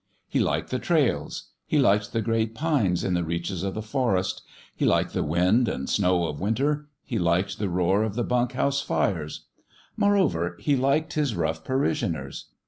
He liked the trails he liked the great pines in the reaches of the forest he liked the wind and snow of winter he liked the roar of the bunk house fires. Moreover, he liked his rough parishioners.